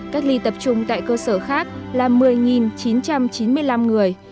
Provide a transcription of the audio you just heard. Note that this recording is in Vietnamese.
cách ly tập trung tại cơ sở khác là một mươi chín trăm linh người